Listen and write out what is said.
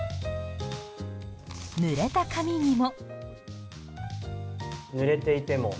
ぬれた紙にも。